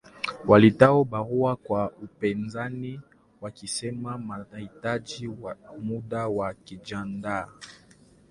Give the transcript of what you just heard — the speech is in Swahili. Walitoa barua kwa upinzani wakisema wanahitaji muda wa kujiandaa